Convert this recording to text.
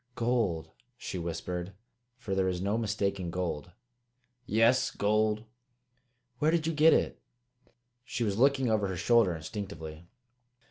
"Gold!" she whispered, for there is no mistaking gold. "Yes, gold!" "Where did you get it?" She was looking over her shoulder instinctively.